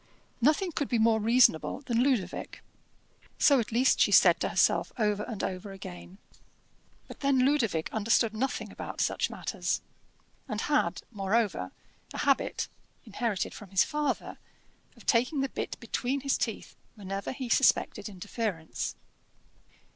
"Nothing could be more reasonable than Ludovic." So at least she said to herself over and over again. But then Ludovic understood nothing about such matters; and he had, moreover, a habit, inherited from his father, of taking the bit between his teeth whenever he suspected interference.